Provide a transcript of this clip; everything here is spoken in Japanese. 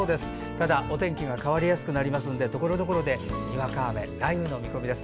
ただ天気が変わりやすそうでところどころで、にわか雨雷雨の見込みです。